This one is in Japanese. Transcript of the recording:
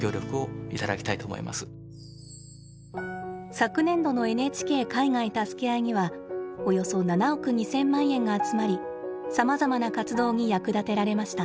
昨年度の「ＮＨＫ海外たすけあい」にはおよそ７億２，０００万円が集まりさまざまな活動に役立てられました。